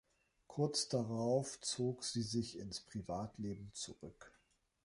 Kurz darauf zog sie sich ins Privatleben zurück.